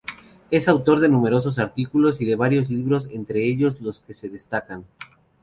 Es autor de numerosos artículos y de varios libros entre los que se destacan